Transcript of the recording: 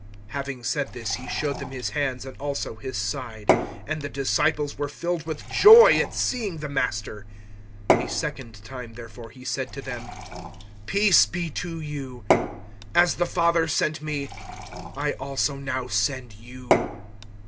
020:020 Having said this He showed them His hands and also His side; and the disciples were filled with joy at seeing the Master. 020:021 A second time, therefore, He said to them, "Peace be to you! As the Father sent me, I also now send you."